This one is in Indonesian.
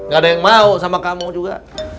gak ada yang mau sama kamu juga